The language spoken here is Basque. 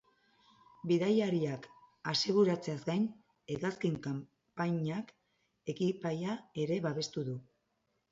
Bidaiariak aseguratzeaz gain, hegazkin konpainiak ekipaia ere babesten du.